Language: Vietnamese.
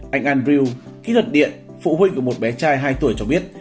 anh andrew kỹ thuật điện phụ huynh của một bé trai hai tuổi cho biết